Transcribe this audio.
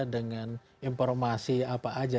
dengan informasi apa saja